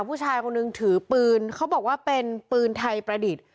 ผู้ชายคนนึงถือปืนเขาบอกว่าเป็นปืนไทยประดิษฐ์